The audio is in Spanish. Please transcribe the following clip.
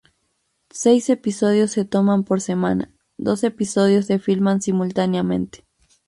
Seis episodios se toman por semana; dos episodios se filman simultáneamente.